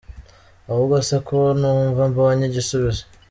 uhubwo se ko numva mbonye igisubizo.